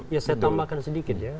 ya saya tambahkan sedikit ya